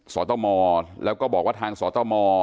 สตมแล้วก็บอกว่าทางสตม